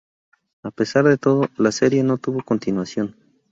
A pesar de todo, la serie no tuvo continuación.